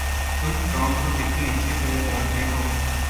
تم ٹام کو کتنی اچھی طرح جانتے ہو؟